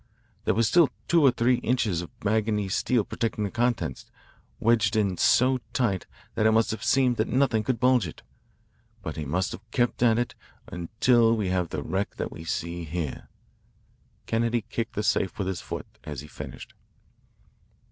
There was still two or three inches of manganese steel protecting the contents, wedged in so tight that it must have seemed that nothing could budge it. But he must have kept at it until we have the wreck that we see here," and Kennedy kicked the safe with his foot as he finished.